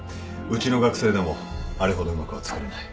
うちの学生でもあれほどうまくは作れない